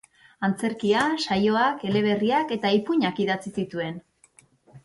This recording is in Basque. Antzerkia, saioak, eleberriak eta ipuinak idatzi zituen.